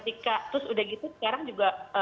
tika terus udah gitu sekarang juga